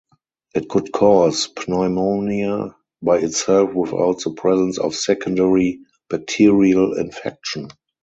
It could cause pneumonia by itself without the presence of secondary bacterial infection.